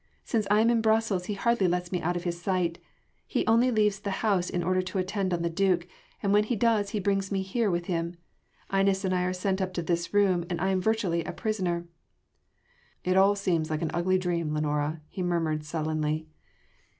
Since I am in Brussels he hardly lets me out of his sight. He only leaves the house in order to attend on the Duke, and when he does, he brings me here with him. Inez and I are sent up to this room and I am virtually a prisoner." "It all seems like an ugly dream, Lenora," he murmured sullenly.